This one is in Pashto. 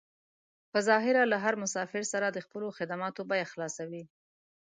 په ظاهره له هر مسافر سره د خپلو خدماتو بيه خلاصوي.